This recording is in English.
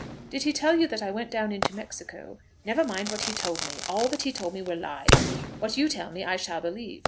"Did he tell you that I went down into Mexico?" "Never mind what he told me. All that he told me were lies. What you tell me I shall believe.